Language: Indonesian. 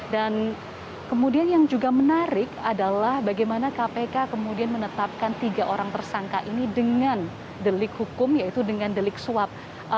dan kemudian yang juga menarik adalah bagaimana kpk kemudian menetapkan tiga orang tersangka ini dengan delik hukum yaitu dengan delik suap